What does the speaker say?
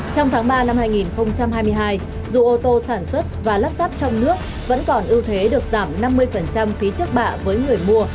trong tháng ba năm hai nghìn hai mươi hai dù ô tô sản xuất và lắp ráp trong nước vẫn còn ưu thế được giảm năm mươi phí trước bạ với người mua